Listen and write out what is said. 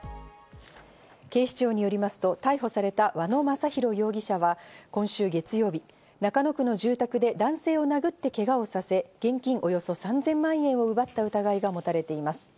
警視庁によりますと、逮捕された和野正弘容疑者は今週月曜日、中野区の住宅で男性を殴ってけがをさせ、現金およそ３０００万円を奪った疑いが持たれています。